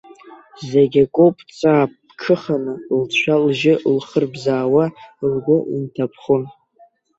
Зегь акоуп, ҵаа ԥҽыханы, лцәа-лжьы лхырбзаауа лгәы инҭаԥхон.